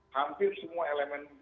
hampir semua elemen